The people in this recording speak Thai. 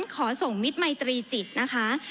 ขอส่งมิตรมัยตรีจิตนะคะ